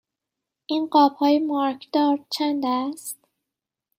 این قاب های مارکدار چند است؟